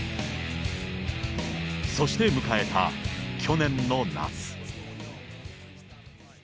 そして迎えた去年の夏。